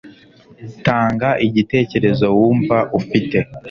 TANGA IGITEKEREZO wumva ufite